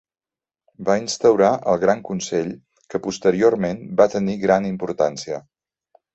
Va instaurar el Gran Consell que posteriorment va tenir gran importància.